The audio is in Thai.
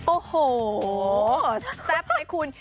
โอ้โหแซ่บไหมคุณ